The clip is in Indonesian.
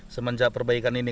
semenjak perbaikan ini